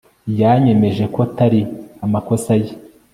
Yanyemeje ko atari amakosa ye